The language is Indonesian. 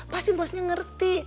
pasti bosnya ngerti